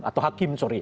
atau hakim sorry